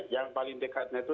yang paling dekatnya itu